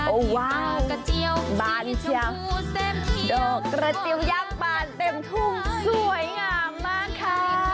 โอ้ว้าวบานจังดอกกระเจียวยักษ์บานเต็มทุ่มสวยงามมากค่ะ